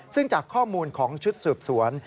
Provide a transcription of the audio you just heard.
ซึ่งจากข้อมูลของชุดสืบสวน